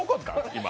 今。